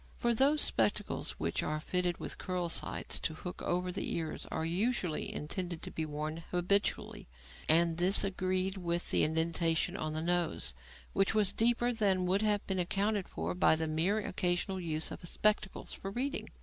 For those spectacles which are fitted with curl sides to hook over the ears are usually intended to be worn habitually, and this agreed with the indentation on the nose; which was deeper than would have been accounted for by the merely occasional use of spectacles for reading.